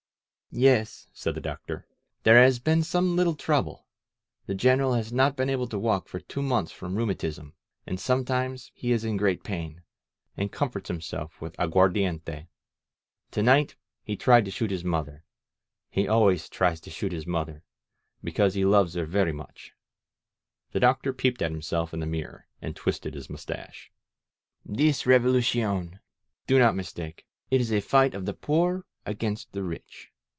^*Yes,'' said the Doctor, "there has been some little trouble. The General has not been able to walk for two months from rheumatism. .•. And sometimes he is in great pain, and comforts himself with aguardiente. .•• To night he tried to shoot his mother. He al ways tries to shoot his mother •••. because he loves her very much." The Doctor peeped at himself in the mirror, and twisted his mustache. This Revolu cion. Do not mistake. It is a fight of the poor against the rich.